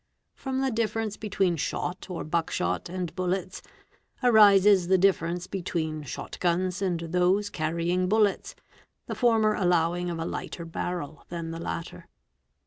From the difference between shot or buckshot and bullets, arises the difference between shot guns and those carrying — bullets, the former allowing of a lighter barrel than the latter.